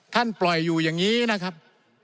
ปล่อยอยู่อย่างนี้นะครับ